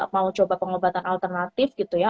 mau coba pengobatan alternatif gitu ya